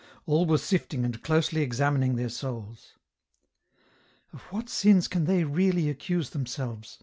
All were sifting and closely examining their souls. " Of what sins can they really accuse themselves ?